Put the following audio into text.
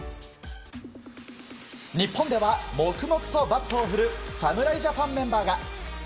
日本では黙々とバットを振る侍ジャパンメンバーが。